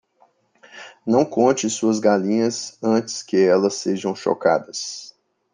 Não conte suas galinhas antes que elas sejam chocadas.